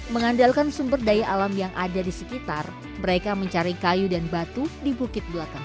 mengandalkan sumber daya alam yang ada di sekitar mereka mencari kayu dan batu di bukit belakang